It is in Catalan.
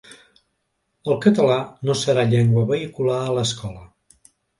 El català no serà llengua vehicular a l’escola.